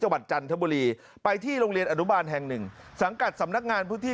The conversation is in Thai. วัดจันทบุรีไปที่โรงเรียนอนุบาลแห่งหนึ่งสังกัดสำนักงานพื้นที่